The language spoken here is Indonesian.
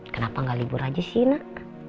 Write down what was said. kenapa nggak libur aja sih nak